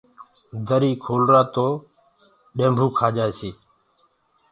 دري کولرآ توڏيمڀوُ کآ جآسيٚ